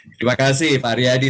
terima kasih pak aryadi